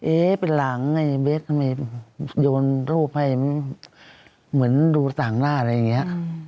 เป็นหลังไอ้เบสทำไมโยนรูปให้เหมือนดูต่างหน้าอะไรอย่างนี้